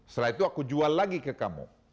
setelah itu aku jual lagi ke kamu